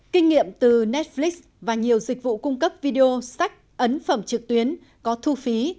kinh nghiệm từ netflix và nhiều dịch vụ cung cấp video sách ấn phẩm trực tuyến có thu phí